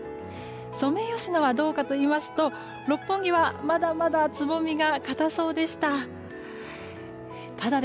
ソメイヨシノはどうかといいますと六本木はまだまだつぼみが固そうでした。